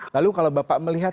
lalu kalau bapak melihat